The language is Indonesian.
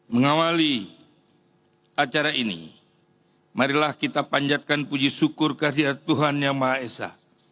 mengawali acara ini marilah kita panjatkan puji syukur kehadirat tuhan yang maha esa